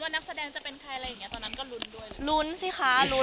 อย่างเงินใช่อะไรอย่างเนี่ยตอนนั้นก็รุนด้วย